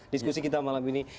diskusi kita malam ini